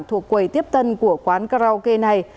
thuộc quầy tiếp tân của quán karaoke này